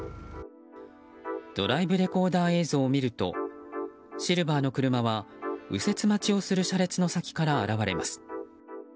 ドライブレコーダー映像を見るとシルバーの車は右折待ちをする車列の先から現れます。